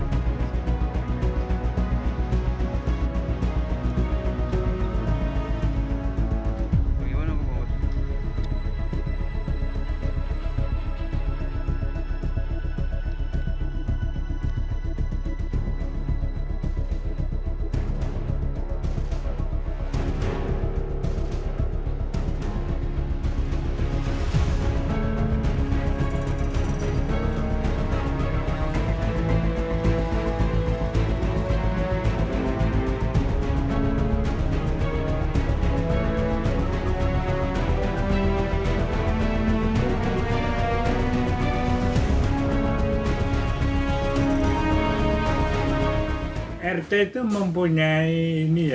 cctv kan maksudnya kan